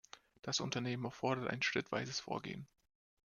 Das Unternehmen erfordert ein schrittweises Vorgehen.